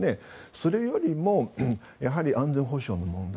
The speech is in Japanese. それよりもやはり安全保障の問題。